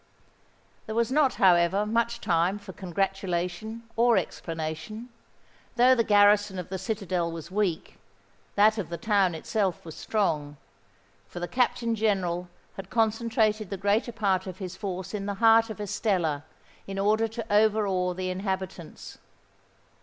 There was not, however, much time for congratulation or explanation. Though the garrison of the citadel was weak, that of the town itself was strong; for the Captain General had concentrated the greater part of his force in the heart of Estella in order to over awe the inhabitants.